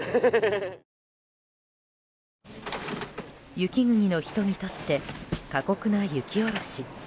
雪国の人にとって過酷な雪下ろし。